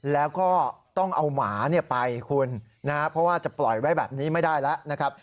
แล้วก็ต้องเอาหมาไปคุณนะครับเพราะว่าจะปล่อยไว้แบบนี้ไม่ได้แล้วนะครับ